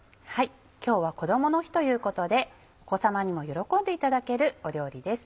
今日はこどもの日ということでお子さまにも喜んでいただける料理です。